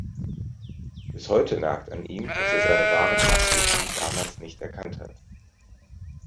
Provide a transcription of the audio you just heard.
Bis heute nagt an ihm, dass er seine wahren Absichten damals nicht erkannt hat.